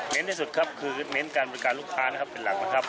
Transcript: ที่สุดครับคือเน้นการบริการลูกค้านะครับเป็นหลักนะครับ